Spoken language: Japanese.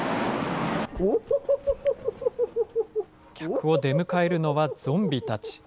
客を出迎えるのはゾンビたち。